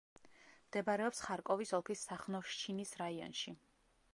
მდებარეობს ხარკოვის ოლქის სახნოვშჩინის რაიონში.